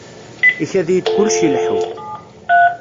Ikad-iyi-d kullec ileḥḥu.